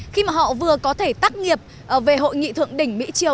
khi mà họ vừa có thể tác nghiệp về hội nghị thượng đỉnh mỹ triều